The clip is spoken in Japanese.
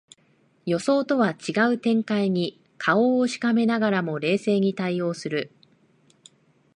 予想とは違う展開に顔をしかめながらも冷静に対応する